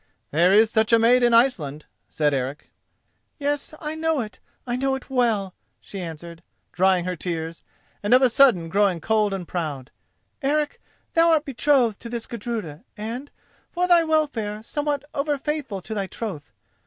"There is such a maid in Iceland," said Eric. "Yes; I know it—I know it all," she answered, drying her tears, and of a sudden growing cold and proud; "Eric, thou art betrothed to this Gudruda; and, for thy welfare, somewhat overfaithful to thy troth.